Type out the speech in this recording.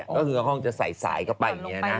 คือก็ต้องใส่สายเข้าไป